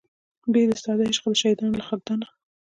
بې د ستا د عشق د شهیدانو له خاکدانه